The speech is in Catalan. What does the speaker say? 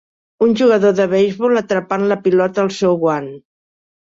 Un jugador de beisbol atrapant la pilota al seu guant.